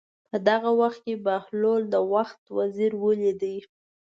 په دغه وخت کې بهلول د وخت وزیر ولید.